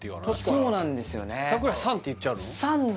そうなんですよね櫻井さんって言っちゃうの？